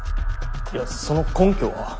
いやその根拠は？